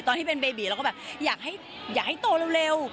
ตอนที่เป็นเบบีเราก็แบบอยากให้โตเร็ว